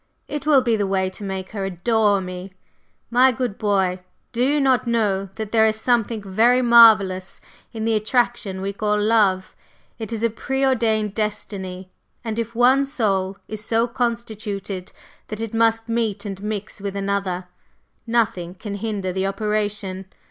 It will be the way to make her adore me! My good boy, do you not know that there is something very marvellous in the attraction we call love? It is a pre ordained destiny, and if one soul is so constituted that it must meet and mix with another, nothing can hinder the operation.